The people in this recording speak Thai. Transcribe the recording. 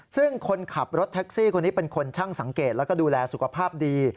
ซึ่งคนขับรถแท็กซี่คนนี้เป็นคนช่างสังเกตแล้วก็ดูแลสุขภาพดี